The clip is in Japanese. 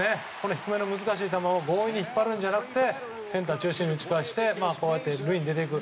低めの難しい球を強引に引っ張るんじゃなくてセンター中心に打ち返して塁に出ていく。